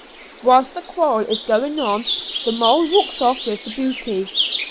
Whilst the quarrel is going on the moll walks off with the booty.